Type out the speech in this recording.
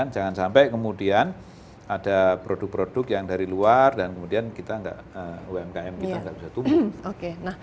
jangan sampai kemudian ada produk produk yang dari luar dan kemudian umkm kita nggak bisa tumbuh